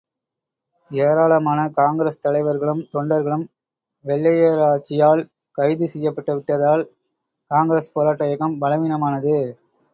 ஏராளமான காங்கிரஸ் தலைவர்களும், தொண்டர்களும் வெள்ளையராட்சியால் கைது செய்யப்பட்டு விட்டதல், காங்கிரஸ் போராட்ட இயக்கம் பலவீனமானது.